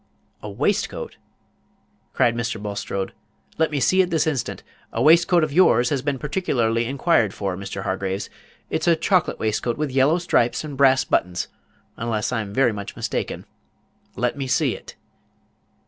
"A waistcoat!" cried Mr. Bulstrode; "let me see it this instant. A waistcoat of yours has been particularly inquired for, Mr. Hargraves. It's a chocolate waistcoat, with yellow stripes and brass buttons, unless I'm very much mistaken. Let me see it."